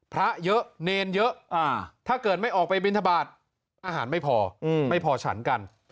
พระเยอะเนรเยอะถ้าเกิดไม่ออกไปบินทบาทอาหารไม่พอไม่พอฉันกัน